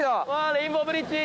レインボーブリッジ。